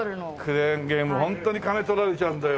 クレーンゲームホントに金取られちゃうんだよ。